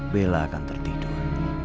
bella akan tertidur